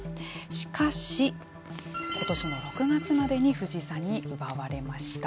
しかし、今年の６月までに藤井さんに奪われました。